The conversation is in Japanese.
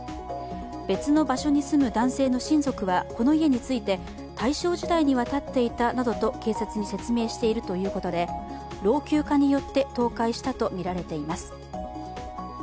別の場所に住む男性の親族はこの家について大正時代には建っていたなどと警察に説明しているということで、老朽化によって倒壊したとみられています。